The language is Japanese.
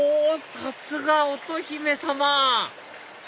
さすが乙姫様